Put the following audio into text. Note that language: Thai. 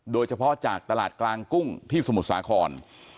โดยเฉพาะจากตลาดกลางกุ้งที่สมุทรสาคร